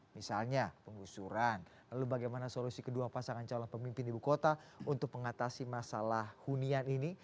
misalnya penggusuran lalu bagaimana solusi kedua pasangan calon pemimpin ibu kota untuk mengatasi masalah hunian ini